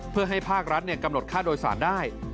เพื่อให้ภาครัฐกำหนดค่าโดยสารได้